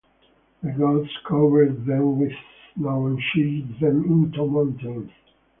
The gods covered them with snow and changed them into mountains.